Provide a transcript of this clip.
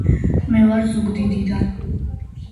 მე ვარ ზუგდიდიდან